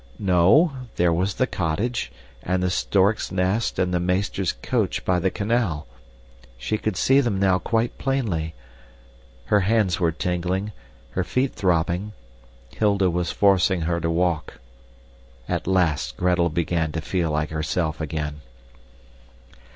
No, there was the cottage and the stork's nest and the meester's coach by the canal. She could see them now quite plainly. Her hands were tingling, her feet throbbing. Hilda was forcing her to walk. At last Gretel began to feel like herself again.